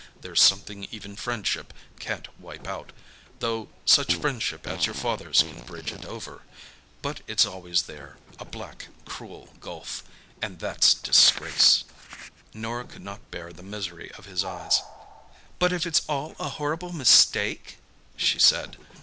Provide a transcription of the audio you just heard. "There's something even friendship can't wipe out, though such friendship as your father's can bridge it over. But it's always there—a black, cruel gulf. And that's disgrace!" Norah could not bear the misery of his eyes. "But if it's all a horrible mistake?" she said.